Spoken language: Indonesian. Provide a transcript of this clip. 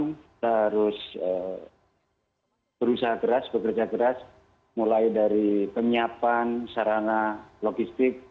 kita harus berusaha keras bekerja keras mulai dari penyiapan sarana logistik